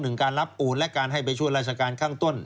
การรับโอนและการให้ไปช่วยราชการข้างต้น